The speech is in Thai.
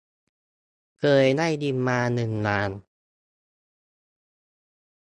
เคยได้ยินมาหนึ่งอย่าง